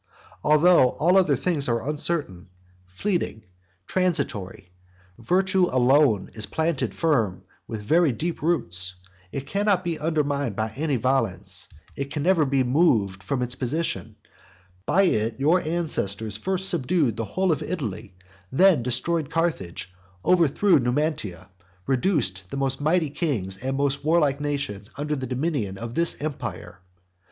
Although all other things are uncertain, fleeting, transitory; virtue alone is planted firm with very deep roots; it cannot be undermined by any violence; it can never be moved from its position. By it your ancestors first subdued the whole of Italy; then destroyed Carthage, overthrew Numantia, and reduced the most mighty kings and most warlike nations under the dominion of this empire.